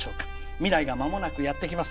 未来が、まもなくやってきます。